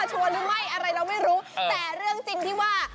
ชัวร์หรือไม่อะไรเราไม่รู้แต่เรื่องจริงที่ว่า